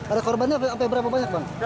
ada korbannya sampai berapa banyak bang